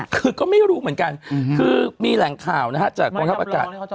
คือก็ไม่รู้เหมือนกันคือมีแหล่งข่าวนะฮะจากกองทัพอากาศ